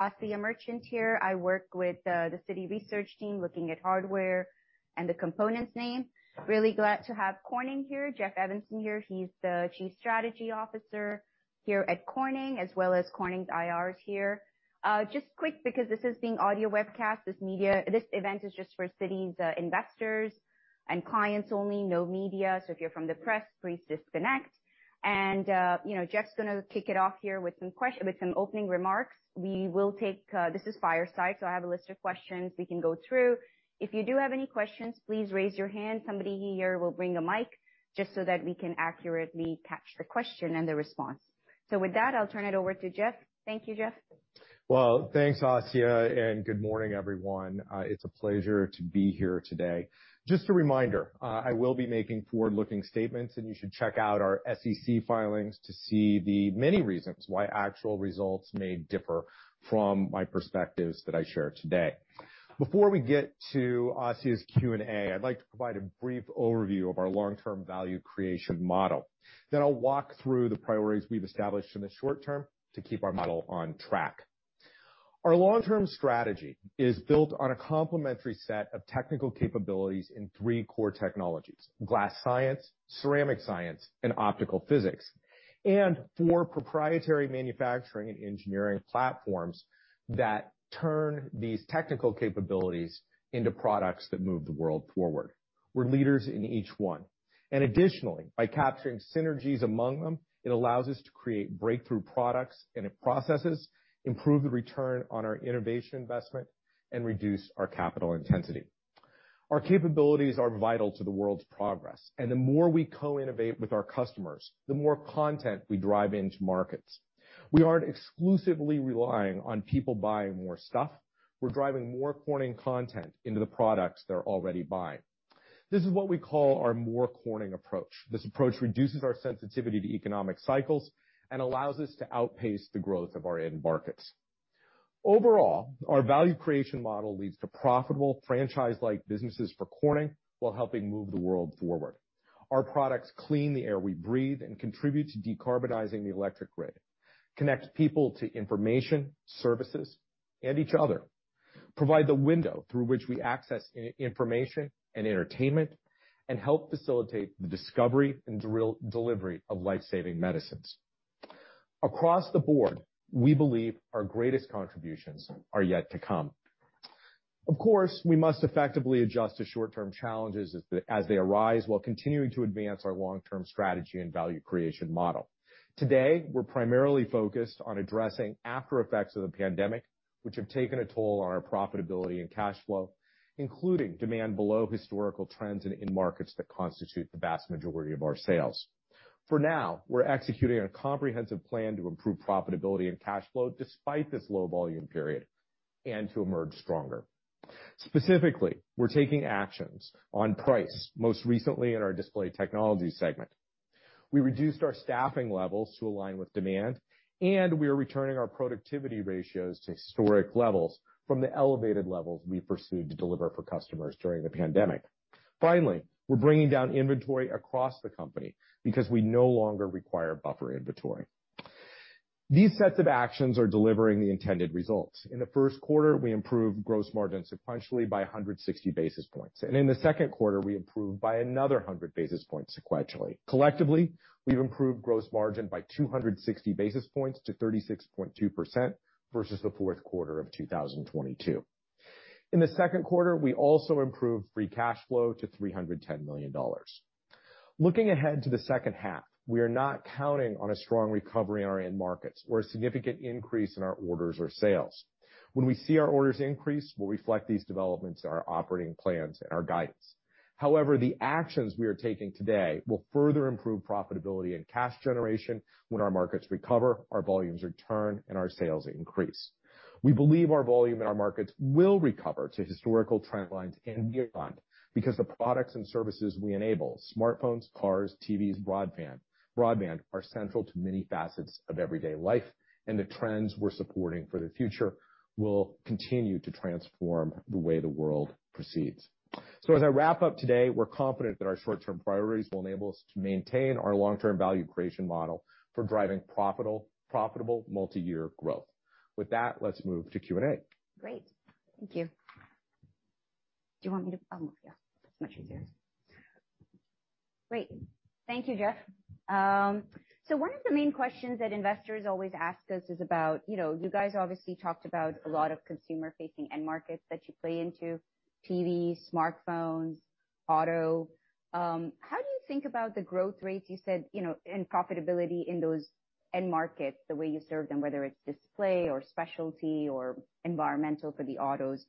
Asiya Merchant here, I work with the Citi research team looking at hardware and the components name. Really glad to have Corning here, Jeff Evenson here. He's the Chief Strategy Officer here at Corning, as well as Corning's IRs here. Just quick, because this is being audio webcast, this event is just for Citi's investors and clients only, no media. If you're from the press, please disconnect. Jeff's going to kick it off here with some opening remarks. We will take—this is fireside, so I have a list of questions we can go through. If you do have any questions, please raise your hand. Somebody here will bring a mic just so that we can accurately catch the question and the response. With that, I'll turn it over to Jeff. Thank you, Jeff. Thanks, Asiya, and good morning, everyone. It's a pleasure to be here today. Just a reminder, I will be making forward-looking statements, and you should check out our SEC filings to see the many reasons why actual results may differ from my perspectives that I share today. Before we get to Asyia's Q&A, I'd like to provide a brief overview of our long-term value creation model. Then I'll walk through the priorities we've established in the short term to keep our model on track. Our long-term strategy is built on a complementary set of technical capabilities in three core technologies: glass science, ceramic science, and optical physics, and four proprietary manufacturing and engineering platforms that turn these technical capabilities into products that move the world forward. We're leaders in each one. Additionally, by capturing synergies among them, it allows us to create breakthrough products and processes, improve the return on our innovation investment, and reduce our capital intensity. Our capabilities are vital to the world's progress. The more we co-innovate with our customers, the more content we drive into markets. We aren't exclusively relying on people buying more stuff. We're driving more Corning content into the products they're already buying. This is what we call our more Corning approach. This approach reduces our sensitivity to economic cycles and allows us to outpace the growth of our end markets. Overall, our value creation model leads to profitable franchise-like businesses for Corning while helping move the world forward. Our products clean the air we breathe and contribute to decarbonizing the electric grid, connect people to information, services, and each other, provide the window through which we access information and entertainment, and help facilitate the discovery and delivery of lifesaving medicines. Across the board, we believe our greatest contributions are yet to come. Of course, we must effectively adjust to short-term challenges as they arise while continuing to advance our long-term strategy and value creation model. Today, we're primarily focused on addressing after-effects of the pandemic, which have taken a toll on our profitability and cash flow, including demand below historical trends and in markets that constitute the vast majority of our sales. For now, we're executing a comprehensive plan to improve profitability and cash flow despite this low volume period and to emerge stronger. Specifically, we're taking actions on price, most recently in our display technology segment. We reduced our staffing levels to align with demand, and we are returning our productivity ratios to historic levels from the elevated levels we pursued to deliver for customers during the pandemic. Finally, we're bringing down inventory across the company because we no longer require buffer inventory. These sets of actions are delivering the intended results. In the first quarter, we improved gross margin sequentially by 160 basis points. In the second quarter, we improved by another 100 basis points sequentially. Collectively, we've improved gross margin by 260 basis points to 36.2% versus the fourth quarter of 2022. In the second quarter, we also improved free cash flow to $310 million. Looking ahead to the second half, we are not counting on a strong recovery in our end markets or a significant increase in our orders or sales. When we see our orders increase, we'll reflect these developments in our operating plans and our guidance. However, the actions we are taking today will further improve profitability and cash generation when our markets recover, our volumes return, and our sales increase. We believe our volume in our markets will recover to historical trend lines and beyond because the products and services we enable, smartphones, cars, TVs, broadband, are central to many facets of everyday life, and the trends we're supporting for the future will continue to transform the way the world proceeds. As I wrap up today, we're confident that our short-term priorities will enable us to maintain our long-term value creation model for driving profitable multi-year growth. With that, let's move to Q&A. Great. Thank you. Do you want me to—oh, yeah, that's much easier. Great. Thank you, Jeff. One of the main questions that investors always ask us is about, you guys obviously talked about a lot of consumer-facing end markets that you play into: TVs, smartphones, auto. How do you think about the growth rates you said and profitability in those end markets, the way you serve them, whether it's display or specialty or environmental for the autos?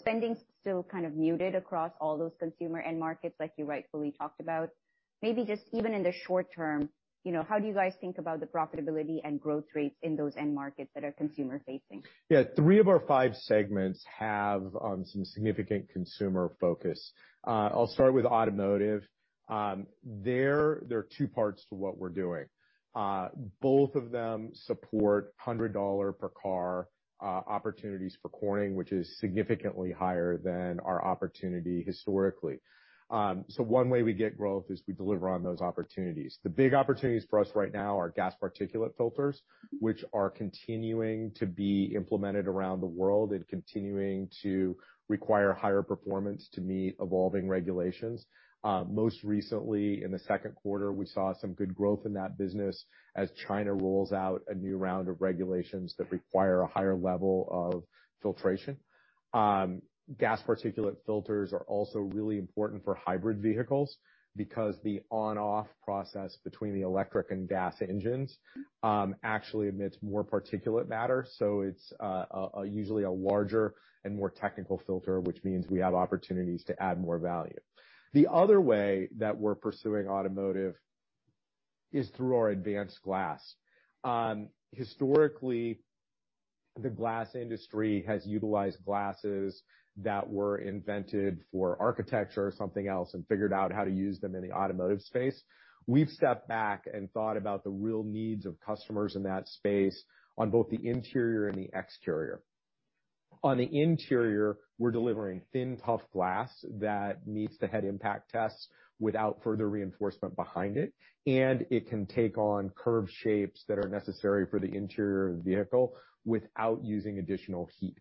Spending still kind of muted across all those consumer end markets, like you rightfully talked about. Maybe just even in the short term, how do you guys think about the profitability and growth rates in those end markets that are consumer-facing? Yeah, three of our five segments have some significant consumer focus. I'll start with automotive. There are two parts to what we're doing. Both of them support $100 per car opportunities for Corning, which is significantly higher than our opportunity historically. One way we get growth is we deliver on those opportunities. The big opportunities for us right now are gas particulate filters, which are continuing to be implemented around the world and continuing to require higher performance to meet evolving regulations. Most recently, in the second quarter, we saw some good growth in that business as China rolls out a new round of regulations that require a higher level of filtration. Gas particulate filters are also really important for hybrid vehicles because the on-off process between the electric and gas engines actually emits more particulate matter. It is usually a larger and more technical filter, which means we have opportunities to add more value. The other way that we are pursuing automotive is through our advanced glass. Historically, the glass industry has utilized glasses that were invented for architecture or something else and figured out how to use them in the automotive space. We have stepped back and thought about the real needs of customers in that space on both the interior and the exterior. On the interior, we are delivering thin, tough glass that meets the head impact tests without further reinforcement behind it. It can take on curved shapes that are necessary for the interior of the vehicle without using additional heat.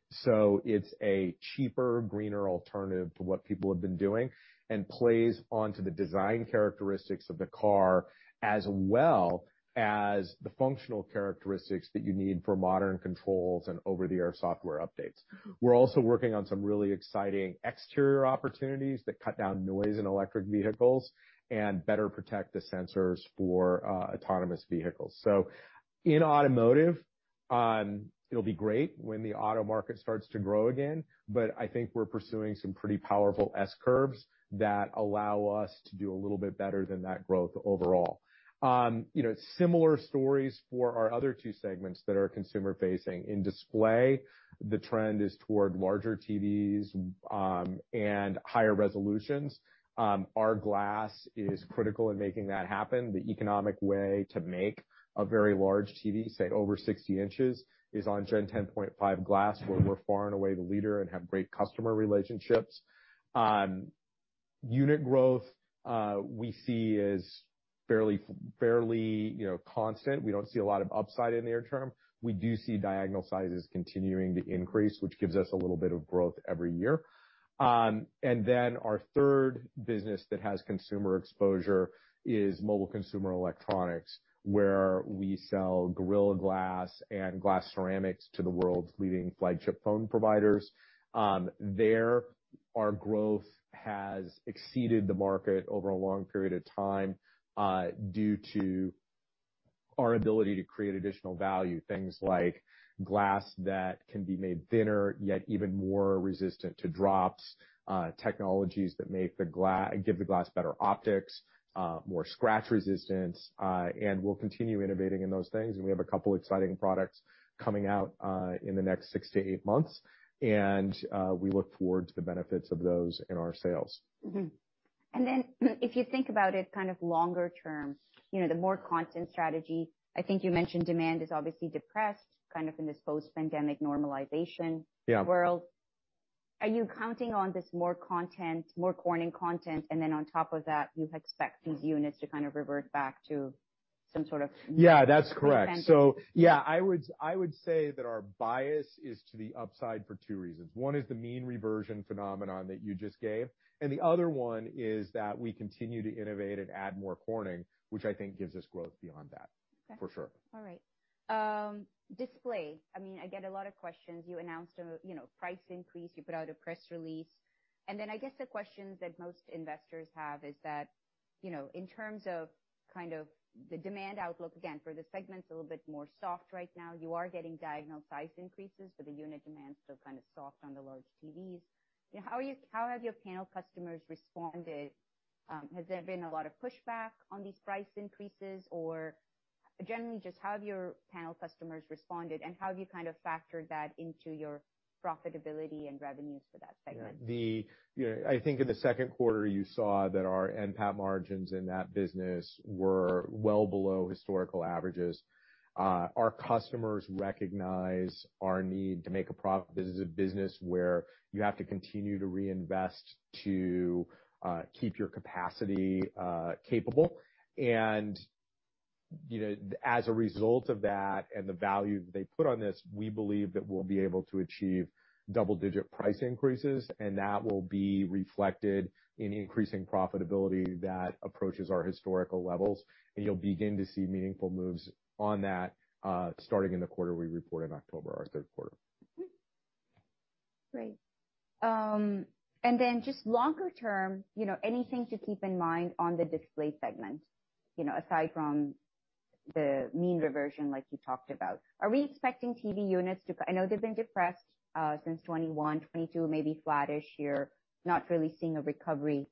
It's a cheaper, greener alternative to what people have been doing and plays onto the design characteristics of the car as well as the functional characteristics that you need for modern controls and over-the-air software updates. We're also working on some really exciting exterior opportunities that cut down noise in electric vehicles and better protect the sensors for autonomous vehicles. In automotive, it'll be great when the auto market starts to grow again. I think we're pursuing some pretty powerful S-curves that allow us to do a little bit better than that growth overall. Similar stories for our other two segments that are consumer-facing. In display, the trend is toward larger TVs and higher resolutions. Our glass is critical in making that happen. The economic way to make a very large TV, say, over 60 in, is on Gen 10.5 glass, where we're far and away the leader and have great customer relationships. Unit growth we see is fairly constant. We don't see a lot of upside in the near term. We do see diagonal sizes continuing to increase, which gives us a little bit of growth every year. Our third business that has consumer exposure is mobile consumer electronics, where we sell Gorilla Glass and Glass Ceramics to the world's leading flagship phone providers. There, our growth has exceeded the market over a long period of time due to our ability to create additional value, things like glass that can be made thinner, yet even more resistant to drops, technologies that give the glass better optics, more scratch resistance. We'll continue innovating in those things. We have a couple of exciting products coming out in the next six to eight months. We look forward to the benefits of those in our sales. If you think about it kind of longer term, the more content strategy, I think you mentioned demand is obviously depressed kind of in this post-pandemic normalization world. Are you counting on this more content, more Corning content, and then on top of that, you expect these units to kind of revert back to some sort of content? Yeah, that's correct. Yeah, I would say that our bias is to the upside for two reasons. One is the mean reversion phenomenon that you just gave. The other one is that we continue to innovate and add more Corning, which I think gives us growth beyond that, for sure. All right. Display, I mean, I get a lot of questions. You announced a price increase. You put out a press release. I guess the questions that most investors have is that in terms of kind of the demand outlook, again, for the segment's a little bit more soft right now. You are getting diagonal size increases, but the unit demand's still kind of soft on the large TVs. How have your panel customers responded? Has there been a lot of pushback on these price increases? Or generally, just how have your panel customers responded? How have you kind of factored that into your profitability and revenues for that segment? Yeah. I think in the second quarter, you saw that our end cap margins in that business were well below historical averages. Our customers recognize our need to make a profit. This is a business where you have to continue to reinvest to keep your capacity capable. As a result of that and the value that they put on this, we believe that we'll be able to achieve double-digit price increases. That will be reflected in increasing profitability that approaches our historical levels. You'll begin to see meaningful moves on that starting in the quarter we report in October, our third quarter. Great. And then just longer term, anything to keep in mind on the display segment aside from the mean reversion like you talked about? Are we expecting TV units to—I know they've been depressed since 2021, 2022, maybe flat-ish here, not really seeing a recovery.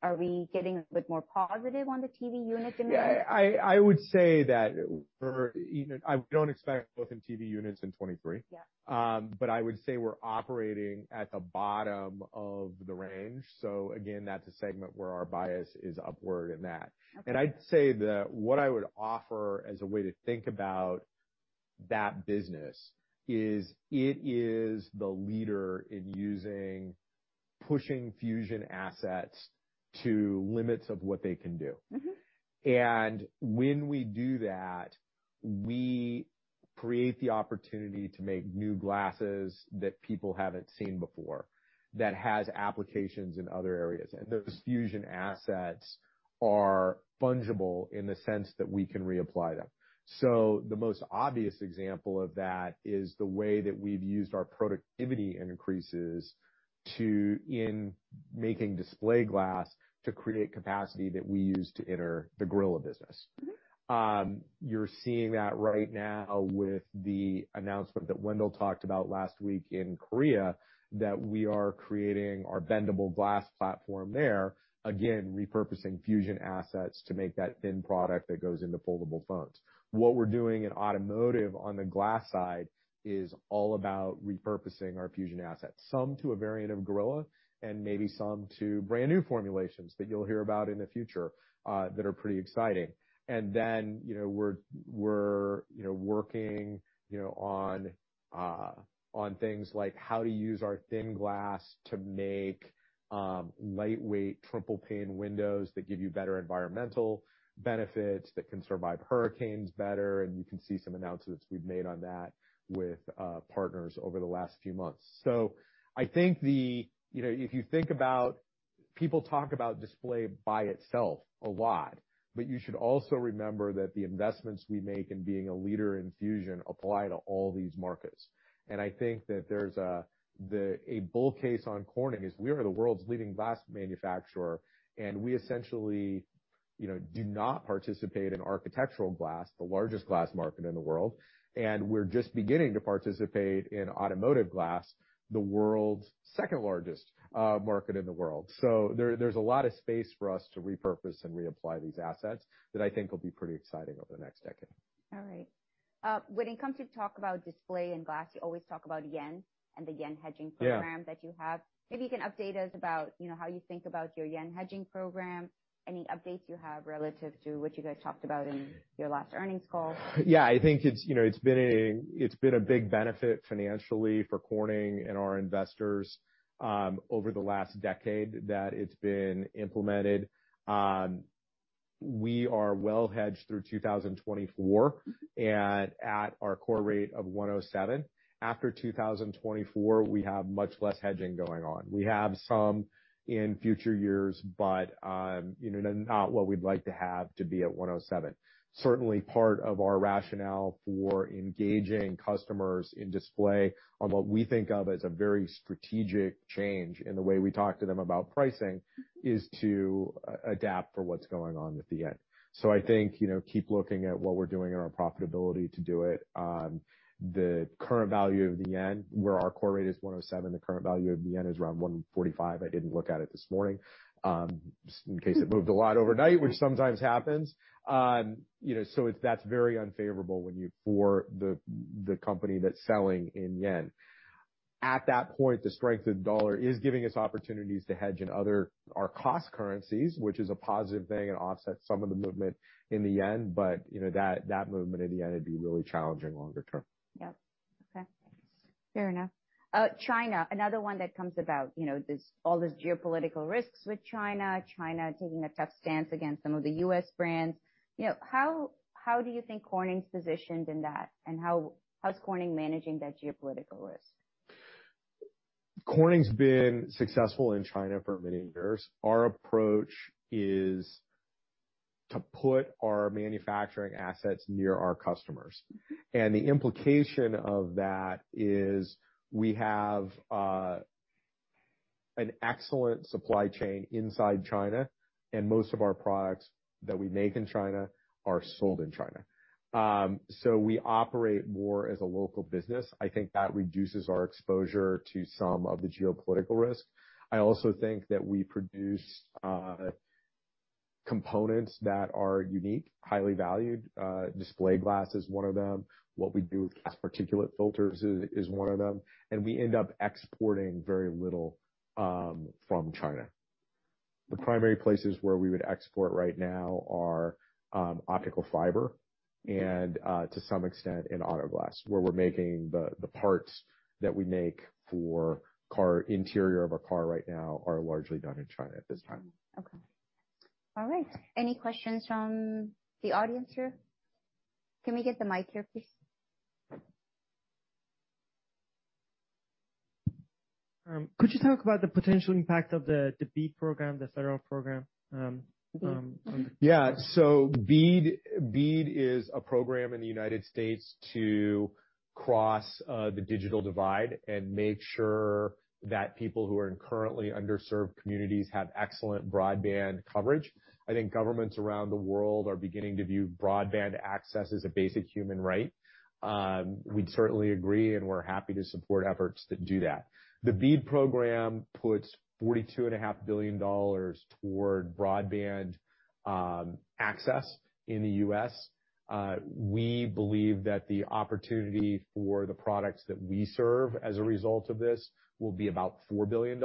Are we getting a bit more positive on the TV unit demand? Yeah. I would say that we're—I don't expect growth in TV units in 2023. I would say we're operating at the bottom of the range. Again, that's a segment where our bias is upward in that. I'd say that what I would offer as a way to think about that business is it is the leader in pushing fusion assets to limits of what they can do. When we do that, we create the opportunity to make new glasses that people haven't seen before that has applications in other areas. Those fusion assets are fungible in the sense that we can reapply them. The most obvious example of that is the way that we've used our productivity increases in making display glass to create capacity that we use to enter the Gorilla business. You're seeing that right now with the announcement that Wendell talked about last week in Korea that we are creating our bendable glass platform there, again, repurposing fusion assets to make that thin product that goes into foldable phones. What we're doing in automotive on the glass side is all about repurposing our fusion assets, some to a variant of Gorilla and maybe some to brand new formulations that you'll hear about in the future that are pretty exciting. We are working on things like how to use our thin glass to make lightweight triple-pane windows that give you better environmental benefits that can survive hurricanes better. You can see some announcements we've made on that with partners over the last few months. I think if you think about people talk about display by itself a lot, but you should also remember that the investments we make in being a leader in fusion apply to all these markets. I think that a bull case on Corning is we are the world's leading glass manufacturer, and we essentially do not participate in architectural glass, the largest glass market in the world. We're just beginning to participate in automotive glass, the world's second largest market in the world. There's a lot of space for us to repurpose and reapply these assets that I think will be pretty exciting over the next decade. All right. When it comes to talk about display and glass, you always talk about yen and the yen hedging program that you have. Maybe you can update us about how you think about your yen hedging program, any updates you have relative to what you guys talked about in your last earnings call. Yeah. I think it's been a big benefit financially for Corning and our investors over the last decade that it's been implemented. We are well hedged through 2024 at our core rate of 107. After 2024, we have much less hedging going on. We have some in future years, but not what we'd like to have to be at 107. Certainly, part of our rationale for engaging customers in display on what we think of as a very strategic change in the way we talk to them about pricing is to adapt for what's going on with the yen. I think keep looking at what we're doing in our profitability to do it. The current value of the yen, where our core rate is 107, the current value of the yen is around 145. I didn't look at it this morning just in case it moved a lot overnight, which sometimes happens. That is very unfavorable for the company that is selling in yen. At that point, the strength of the dollar is giving us opportunities to hedge in other our cost currencies, which is a positive thing and offsets some of the movement in the yen. That movement in the yen would be really challenging longer term. Yep. Okay. Fair enough. China, another one that comes about, there's all these geopolitical risks with China, China taking a tough stance against some of the U.S. brands. How do you think Corning's positioned in that? And how's Corning managing that geopolitical risk? Corning's been successful in China for many years. Our approach is to put our manufacturing assets near our customers. The implication of that is we have an excellent supply chain inside China. Most of our products that we make in China are sold in China. We operate more as a local business. I think that reduces our exposure to some of the geopolitical risk. I also think that we produce components that are unique, highly valued. Display glass is one of them. What we do with gas particulate filters is one of them. We end up exporting very little from China. The primary places where we would export right now are optical fiber and to some extent in auto glass, where we're making the parts that we make for interior of our car right now are largely done in China at this time. Okay. All right. Any questions from the audience here? Can we get the mic here, please? Could you talk about the potential impact of the BEAD program, the federal program? Yeah. BEAD is a program in the United States to cross the digital divide and make sure that people who are in currently underserved communities have excellent broadband coverage. I think governments around the world are beginning to view broadband access as a basic human right. We'd certainly agree, and we're happy to support efforts that do that. The BEAD program puts $42.5 billion toward broadband access in the U.S. We believe that the opportunity for the products that we serve as a result of this will be about $4 billion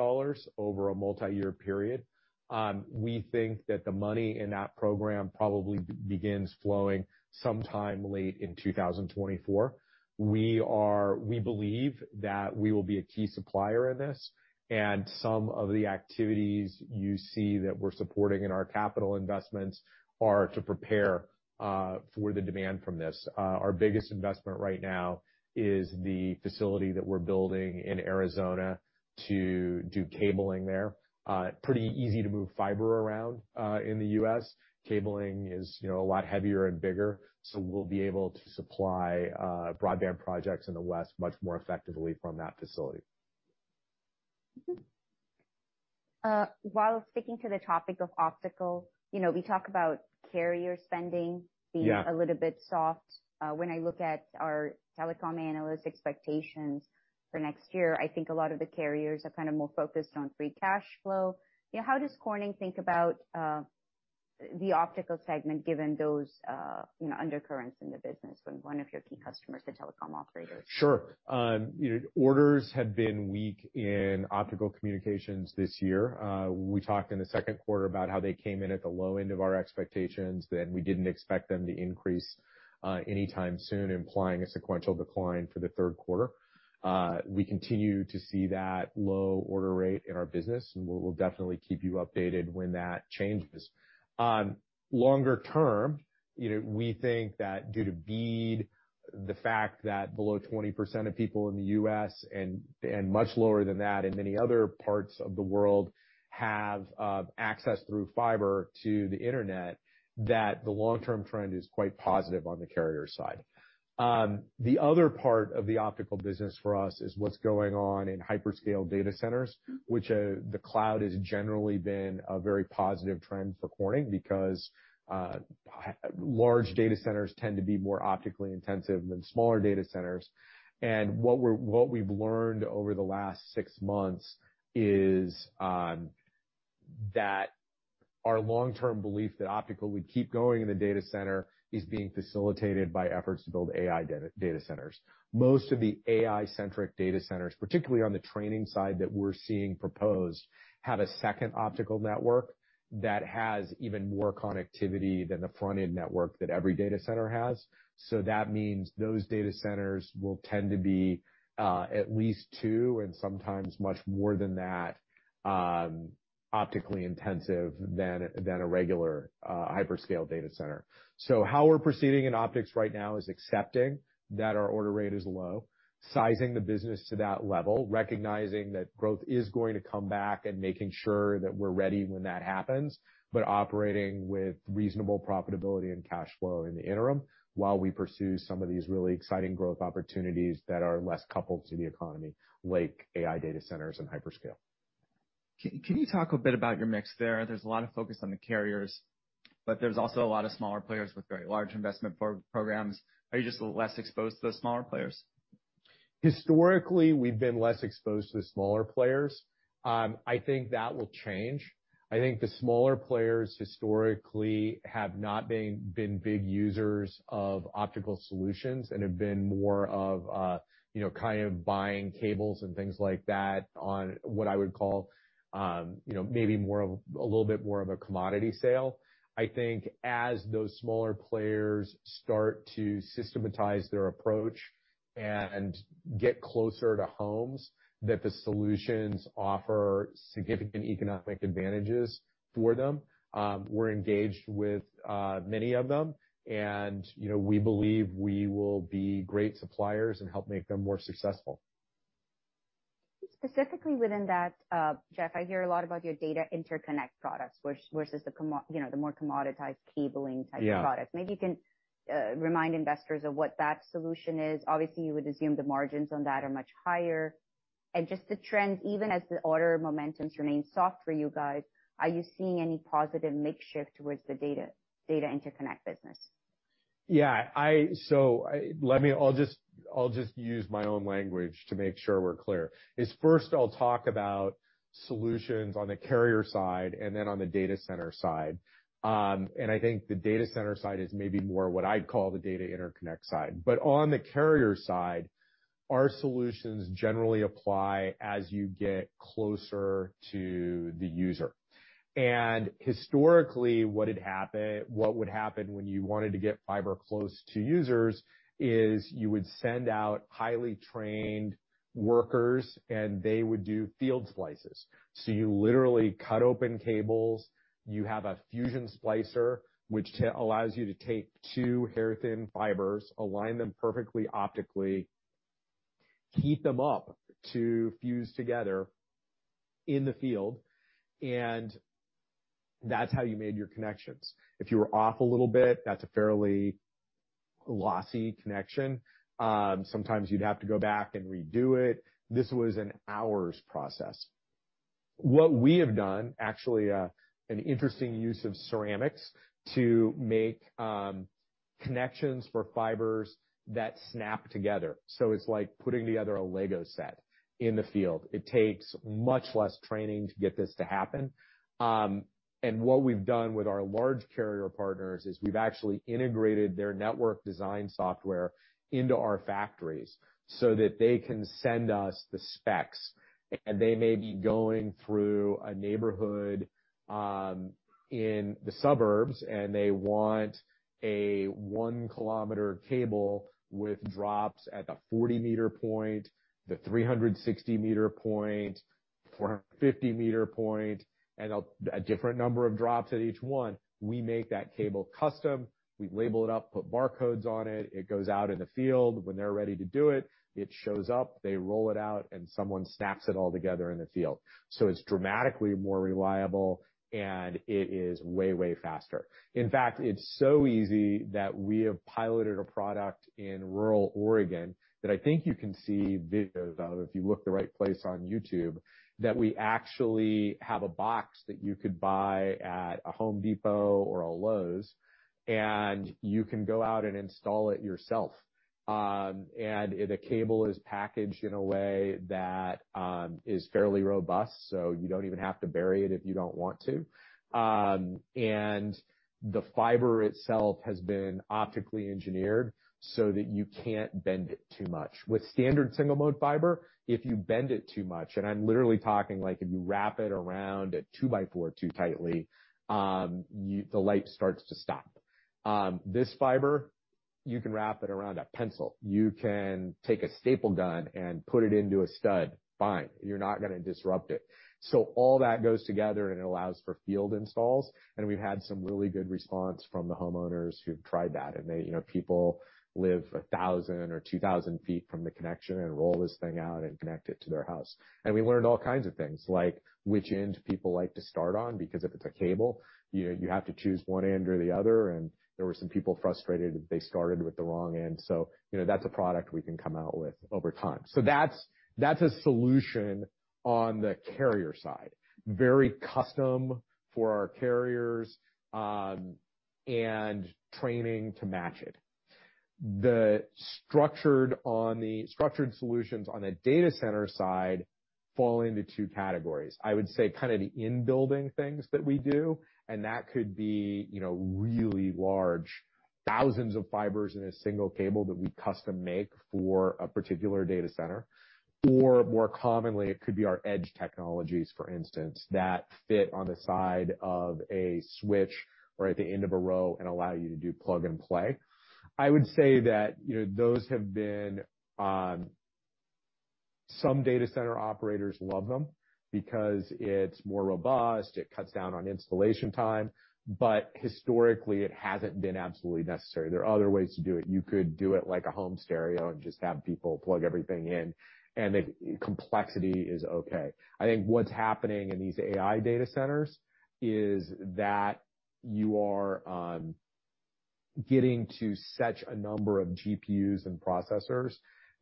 over a multi-year period. We think that the money in that program probably begins flowing sometime late in 2024. We believe that we will be a key supplier in this. Some of the activities you see that we're supporting in our capital investments are to prepare for the demand from this. Our biggest investment right now is the facility that we're building in Arizona to do cabling there. Pretty easy to move fiber around in the U.S. Cabling is a lot heavier and bigger. We will be able to supply broadband projects in the West much more effectively from that facility. While speaking to the topic of optical, we talk about carrier spending being a little bit soft. When I look at our telecom analyst expectations for next year, I think a lot of the carriers are kind of more focused on free cash flow. How does Corning think about the optical segment given those undercurrents in the business when one of your key customers is a telecom operator? Sure. Orders have been weak in optical communications this year. We talked in the second quarter about how they came in at the low end of our expectations. We did not expect them to increase anytime soon, implying a sequential decline for the third quarter. We continue to see that low order rate in our business. We will definitely keep you updated when that changes. Longer term, we think that due to BEAD, the fact that below 20% of people in the U.S. and much lower than that in many other parts of the world have access through fiber to the internet, the long-term trend is quite positive on the carrier side. The other part of the optical business for us is what's going on in hyperscale data centers, which the cloud has generally been a very positive trend for Corning because large data centers tend to be more optically intensive than smaller data centers. What we've learned over the last six months is that our long-term belief that optical would keep going in the data center is being facilitated by efforts to build AI data centers. Most of the AI-centric data centers, particularly on the training side that we're seeing proposed, have a second optical network that has even more connectivity than the front-end network that every data center has. That means those data centers will tend to be at least two and sometimes much more than that optically intensive than a regular hyperscale data center. How we're proceeding in optics right now is accepting that our order rate is low, sizing the business to that level, recognizing that growth is going to come back, and making sure that we're ready when that happens, but operating with reasonable profitability and cash flow in the interim while we pursue some of these really exciting growth opportunities that are less coupled to the economy like AI data centers and hyperscale. Can you talk a bit about your mix there? There's a lot of focus on the carriers, but there's also a lot of smaller players with very large investment programs. Are you just less exposed to the smaller players? Historically, we've been less exposed to the smaller players. I think that will change. I think the smaller players historically have not been big users of optical solutions and have been more of kind of buying cables and things like that on what I would call maybe a little bit more of a commodity sale. I think as those smaller players start to systematize their approach and get closer to homes, that the solutions offer significant economic advantages for them. We're engaged with many of them. We believe we will be great suppliers and help make them more successful. Specifically within that, Jeff, I hear a lot about your data interconnect products versus the more commoditized cabling type of products. Maybe you can remind investors of what that solution is. Obviously, you would assume the margins on that are much higher. Just the trends, even as the order momentums remain soft for you guys, are you seeing any positive makeshift towards the data interconnect business? Yeah. I'll just use my own language to make sure we're clear. First, I'll talk about solutions on the carrier side and then on the data center side. I think the data center side is maybe more what I'd call the data interconnect side. On the carrier side, our solutions generally apply as you get closer to the user. Historically, what would happen when you wanted to get fiber close to users is you would send out highly trained workers, and they would do field splices. You literally cut open cables. You have a fusion splicer, which allows you to take two hair-thin fibers, align them perfectly optically, heat them up to fuse together in the field. That's how you made your connections. If you were off a little bit, that's a fairly lossy connection. Sometimes you'd have to go back and redo it. This was an hours process. What we have done, actually, an interesting use of ceramics to make connections for fibers that snap together. It is like putting together a Lego set in the field. It takes much less training to get this to happen. What we have done with our large carrier partners is we have actually integrated their network design software into our factories so that they can send us the specs. They may be going through a neighborhood in the suburbs, and they want a 1 km cable with drops at the 40 meter point, the 360 meter point, 450 meter point, and a different number of drops at each one. We make that cable custom. We label it up, put barcodes on it. It goes out in the field. When they are ready to do it, it shows up. They roll it out, and someone snaps it all together in the field. It's dramatically more reliable, and it is way, way faster. In fact, it's so easy that we have piloted a product in rural Oregon that I think you can see videos of if you look the right place on YouTube, that we actually have a box that you could buy at a Home Depot or a Lowe's, and you can go out and install it yourself. The cable is packaged in a way that is fairly robust, so you do not even have to bury it if you do not want to. The fiber itself has been optically engineered so that you cannot bend it too much. With standard single-mode fiber, if you bend it too much, and I'm literally talking like if you wrap it around a 2x4 too tightly, the light starts to stop. This fiber, you can wrap it around a pencil. You can take a staple gun and put it into a stud. Fine. You're not going to disrupt it. All that goes together, and it allows for field installs. We've had some really good response from the homeowners who've tried that. People live 1,000 ft or 2,000 ft from the connection and roll this thing out and connect it to their house. We learned all kinds of things, like which end people like to start on because if it's a cable, you have to choose one end or the other. There were some people frustrated that they started with the wrong end. That's a product we can come out with over time. That's a solution on the carrier side. Very custom for our carriers and training to match it. The structured solutions on the data center side fall into two categories. I would say kind of the in-building things that we do. That could be really large, thousands of fibers in a single cable that we custom make for a particular data center. More commonly, it could be our edge technologies, for instance, that fit on the side of a switch or at the end of a row and allow you to do plug and play. I would say that those have been, some data center operators love them because it is more robust. It cuts down on installation time. Historically, it has not been absolutely necessary. There are other ways to do it. You could do it like a home stereo and just have people plug everything in. The complexity is okay. I think what's happening in these AI data centers is that you are getting to such a number of GPUs and processors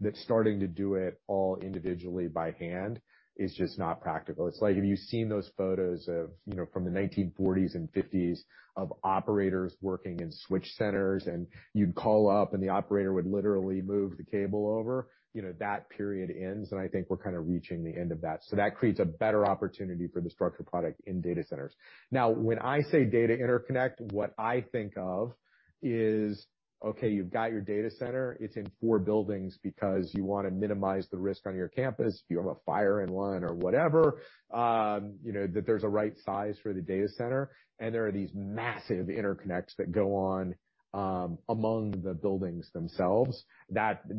that starting to do it all individually by hand is just not practical. It's like if you've seen those photos from the 1940s and 1950s of operators working in switch centers, and you'd call up, and the operator would literally move the cable over. That period ends. I think we're kind of reaching the end of that. That creates a better opportunity for the structured product in data centers. Now, when I say data interconnect, what I think of is, okay, you've got your data center. It's in four buildings because you want to minimize the risk on your campus. If you have a fire in one or whatever, that there's a right size for the data center. There are these massive interconnects that go on among the buildings themselves. Those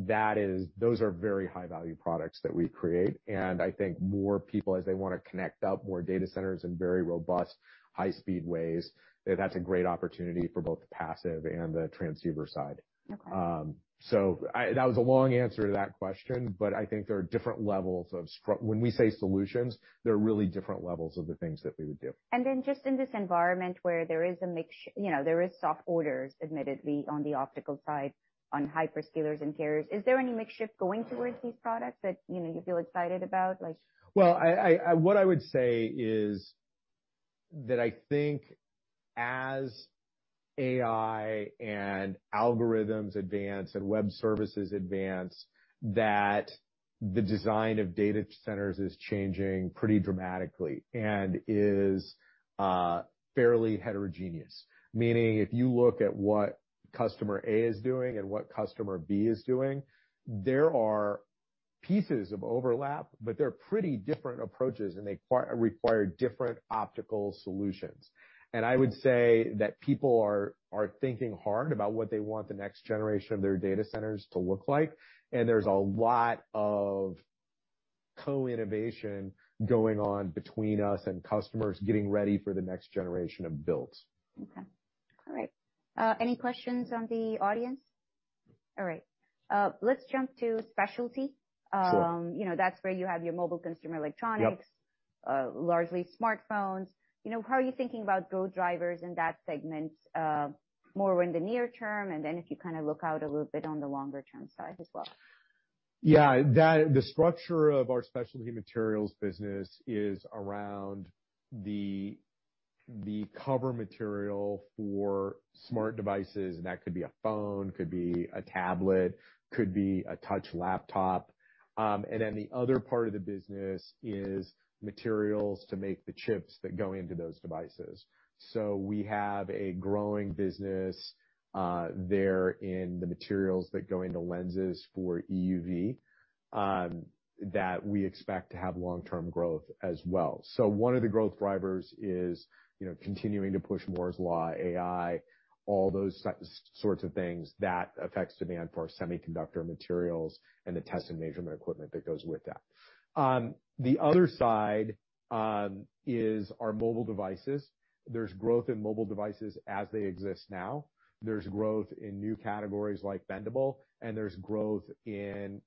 are very high-value products that we create. I think more people, as they want to connect up more data centers in very robust, high-speed ways, that's a great opportunity for both the passive and the transceiver side. That was a long answer to that question. I think there are different levels of when we say solutions, there are really different levels of the things that we would do. In this environment where there is a mix, there is soft orders, admittedly, on the optical side on hyperscalers and carriers, is there any makeshift going towards these products that you feel excited about? I would say that I think as AI and algorithms advance and web services advance, that the design of data centers is changing pretty dramatically and is fairly heterogeneous. Meaning if you look at what customer A is doing and what customer B is doing, there are pieces of overlap, but they're pretty different approaches, and they require different optical solutions. I would say that people are thinking hard about what they want the next generation of their data centers to look like. There is a lot of co-innovation going on between us and customers getting ready for the next generation of builds. Okay. All right. Any questions on the audience? All right. Let's jump to specialty. That's where you have your mobile consumer electronics, largely smartphones. How are you thinking about go-drivers in that segment more in the near term? And then if you kind of look out a little bit on the longer-term side as well. Yeah. The structure of our specialty materials business is around the cover material for smart devices. That could be a phone, could be a tablet, could be a touch laptop. The other part of the business is materials to make the chips that go into those devices. We have a growing business there in the materials that go into lenses for EUV that we expect to have long-term growth as well. One of the growth drivers is continuing to push Moore's Law, AI, all those sorts of things that affects demand for semiconductor materials and the test and measurement equipment that goes with that. The other side is our mobile devices. There is growth in mobile devices as they exist now. There is growth in new categories like bendable, and there is growth in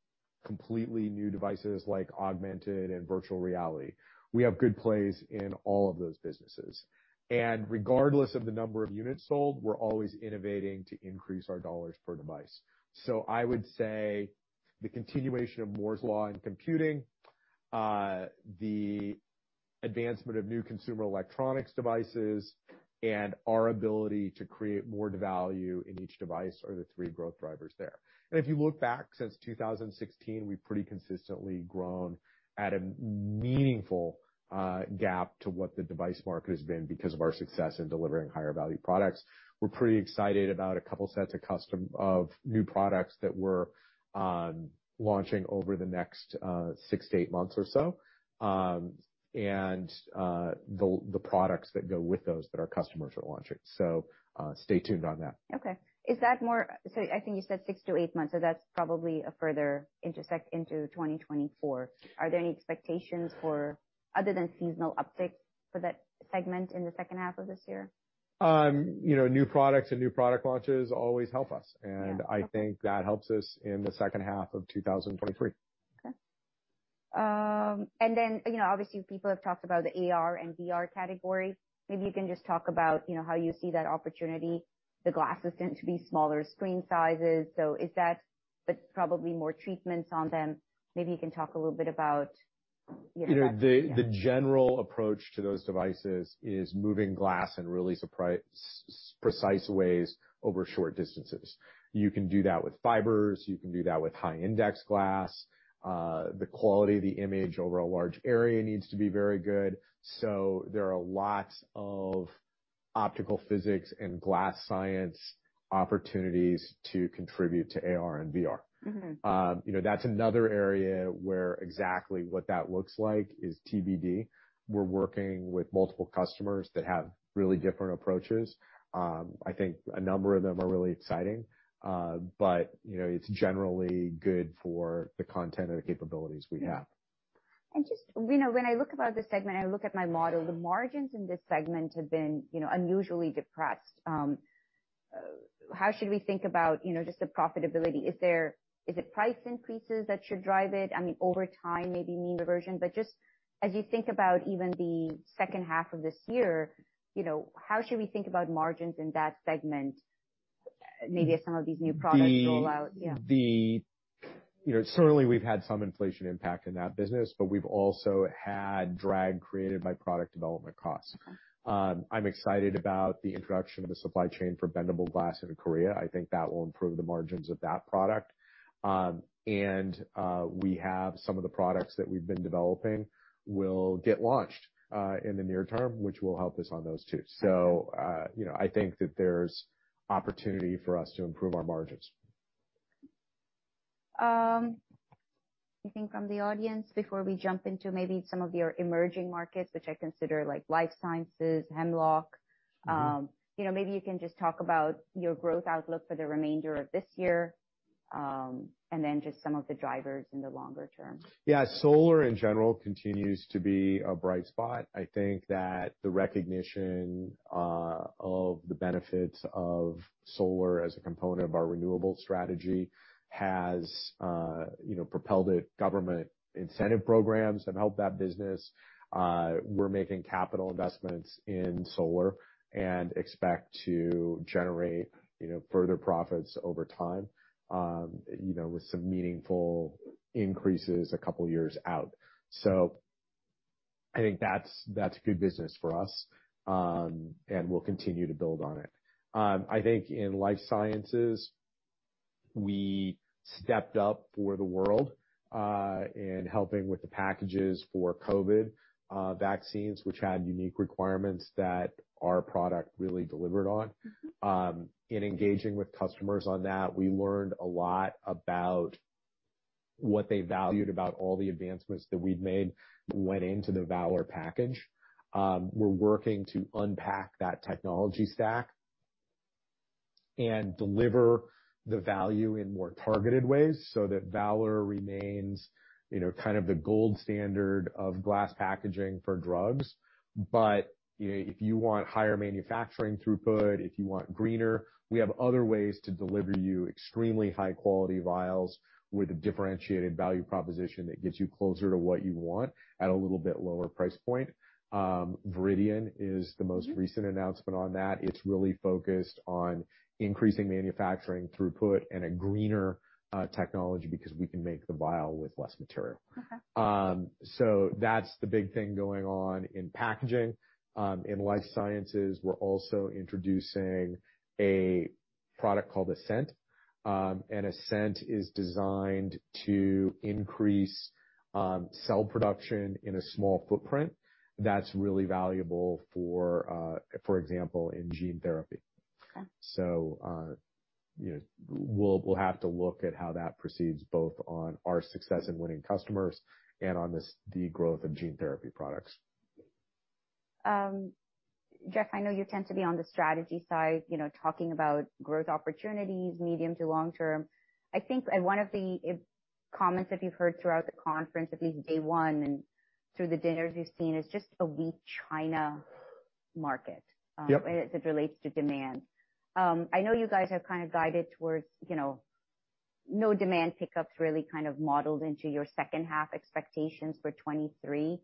completely new devices like augmented and virtual reality. We have good plays in all of those businesses. Regardless of the number of units sold, we're always innovating to increase our dollars per device. I would say the continuation of Moore's Law in computing, the advancement of new consumer electronics devices, and our ability to create more value in each device are the three growth drivers there. If you look back since 2016, we've pretty consistently grown at a meaningful gap to what the device market has been because of our success in delivering higher-value products. We're pretty excited about a couple sets of new products that we're launching over the next six to eight months or so and the products that go with those that our customers are launching. Stay tuned on that. Okay. I think you said six to eight months. That is probably a further intersect into 2024. Are there any expectations for other than seasonal uptick for that segment in the second half of this year? New products and new product launches always help us. I think that helps us in the second half of 2023. Okay. Obviously, people have talked about the AR and VR category. Maybe you can just talk about how you see that opportunity. The glasses tend to be smaller screen sizes. Is that, but probably more treatments on them. Maybe you can talk a little bit about. The general approach to those devices is moving glass in really precise ways over short distances. You can do that with fibers. You can do that with high-index glass. The quality of the image over a large area needs to be very good. There are lots of optical physics and glass science opportunities to contribute to AR and VR. That is another area where exactly what that looks like is TBD. We are working with multiple customers that have really different approaches. I think a number of them are really exciting. It is generally good for the content and the capabilities we have. When I look about the segment, I look at my model, the margins in this segment have been unusually depressed. How should we think about just the profitability? Is it price increases that should drive it? I mean, over time, maybe mean reversion. Just as you think about even the second half of this year, how should we think about margins in that segment maybe as some of these new products roll out? Certainly, we've had some inflation impact in that business, but we've also had drag created by product development costs. I'm excited about the introduction of the supply chain for bendable glass in Korea. I think that will improve the margins of that product. We have some of the products that we've been developing will get launched in the near term, which will help us on those too. I think that there's opportunity for us to improve our margins. I think from the audience, before we jump into maybe some of your emerging markets, which I consider like life sciences, Hemlock, maybe you can just talk about your growth outlook for the remainder of this year and then just some of the drivers in the longer term. Yeah. Solar in general continues to be a bright spot. I think that the recognition of the benefits of solar as a component of our renewable strategy has propelled it. Government incentive programs have helped that business. We're making capital investments in solar and expect to generate further profits over time with some meaningful increases a couple of years out. I think that's good business for us, and we'll continue to build on it. I think in life sciences, we stepped up for the world in helping with the packages for COVID vaccines, which had unique requirements that our product really delivered on. In engaging with customers on that, we learned a lot about what they valued about all the advancements that we've made. Went into the Valor package. We're working to unpack that technology stack and deliver the value in more targeted ways so that Valor remains kind of the gold standard of glass packaging for drugs. If you want higher manufacturing throughput, if you want greener, we have other ways to deliver you extremely high-quality vials with a differentiated value proposition that gets you closer to what you want at a little bit lower price point. Viridian is the most recent announcement on that. It's really focused on increasing manufacturing throughput and a greener technology because we can make the vial with less material. That's the big thing going on in packaging. In life sciences, we're also introducing a product called Ascent. Ascent is designed to increase cell production in a small footprint that's really valuable for, for example, in gene therapy. We'll have to look at how that proceeds both on our success in winning customers and on the growth of gene therapy products. Jeff, I know you tend to be on the strategy side, talking about growth opportunities, medium to long term. I think one of the comments that you've heard throughout the conference, at least day one and through the dinners you've seen, is just a weak China market as it relates to demand. I know you guys have kind of guided towards no demand pickups really kind of modeled into your second half expectations for 2023.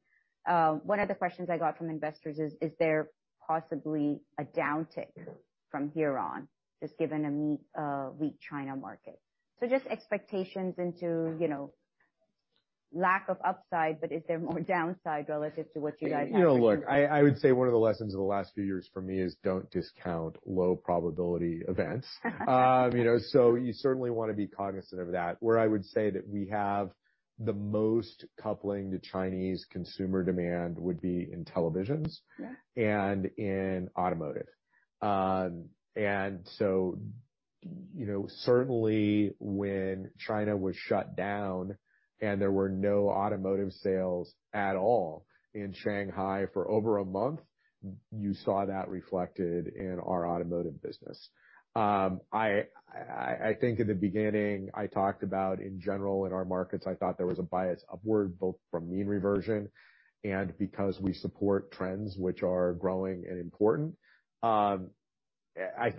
One of the questions I got from investors is, is there possibly a downtick from here on, just given a weak China market? So just expectations into lack of upside, but is there more downside relative to what you guys have to do? Look, I would say one of the lessons of the last few years for me is don't discount low probability events. You certainly want to be cognizant of that. Where I would say that we have the most coupling to Chinese consumer demand would be in televisions and in automotive. Certainly when China was shut down and there were no automotive sales at all in Shanghai for over a month, you saw that reflected in our automotive business. I think in the beginning, I talked about in general in our markets, I thought there was a bias upward both from mean reversion and because we support trends which are growing and important. I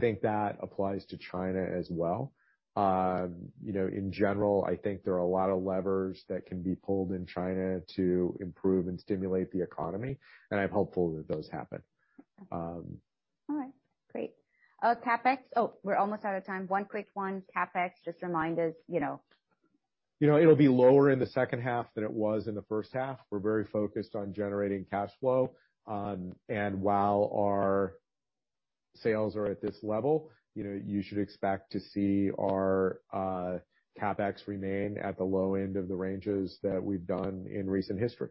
think that applies to China as well. In general, I think there are a lot of levers that can be pulled in China to improve and stimulate the economy. I'm hopeful that those happen. All right. Great. CapEx? Oh, we're almost out of time. One quick one, CapEx, just remind us. It'll be lower in the second half than it was in the first half. We're very focused on generating cash flow. While our sales are at this level, you should expect to see our CapEx remain at the low end of the ranges that we've done in recent history.